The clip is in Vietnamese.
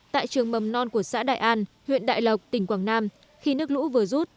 tại trường mầm non của xã đại an huyện đại lộc tỉnh quảng nam khi nước lũ vừa rút